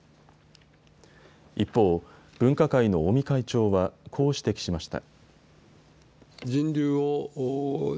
一方、分科会の尾身会長はこう指摘しました。